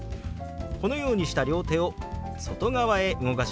このようにした両手を外側へ動かしますよ。